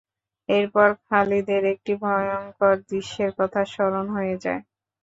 এরপর খালিদের একটি ভয়ঙ্কর দৃশ্যের কথা স্মরণ হয়ে যায়।